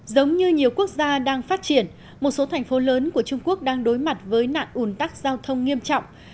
giống như nhiều quốc gia đang phát triển một số thành phố lớn của trung quốc đang đối mặt với nạn ủn tắc giao thông nghiêm trọng